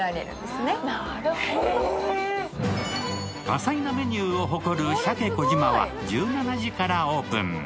多彩なメニューを誇るしゃけ小島は１７時からオープン。